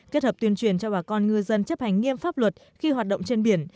kết hợp tuyên truyền cho bà con ngư dân chấp hành nghiêm pháp luật khi hoạt động trên biển